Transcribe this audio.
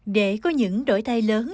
để có những đổi thay lớn